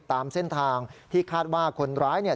ตามเส้นทางที่คาดว่าคนร้ายเนี่ย